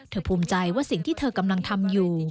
ภูมิใจว่าสิ่งที่เธอกำลังทำอยู่